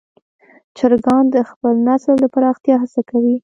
چرګان د خپل نسل د پراختیا هڅه کوي.